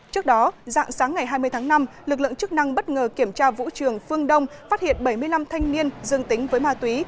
trước đó dạng sáng ngày hai mươi tháng năm lực lượng chức năng bất ngờ kiểm tra vũ trường phương đông phát hiện bảy mươi năm thanh niên dương tính với ma túy